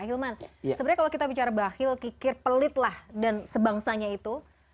ahilman sebenarnya kalau kita bicara bakhil kikir pelit lah dan sebangsanya itu